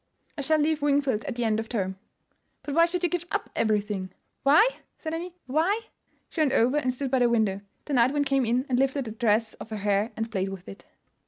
I shall leave Wingfield at the end of term." "But why should you give up everything?" "Why?" said Annie, "why?" She went over and stood by the window. The night wind came in and lifted a tress of her hair and played with it.